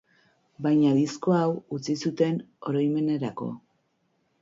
Baina disko hau utzi zuten oroimenerako.